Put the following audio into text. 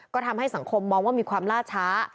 ก็ทำให้สังคมมองว่ามีความล่าช้า